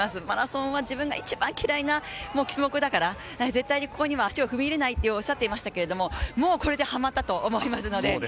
マラソンは自分が一番嫌いな種目だから絶対ここには足を踏み入れないと、おっしゃってましたけど、これではまったと思います。